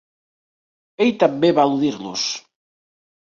Ell també va eludir-los.